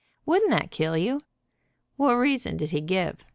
Wouldn't that kill you?" "What reason did he give?"